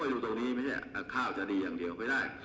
อยู่ตรงนี้ไม่ใช่ข้าวจะดีอย่างเดียวไม่ได้